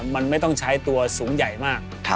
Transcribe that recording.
มันไม่ต้องใช้ตัวสูงใหญ่มาก